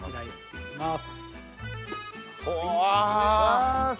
いきます。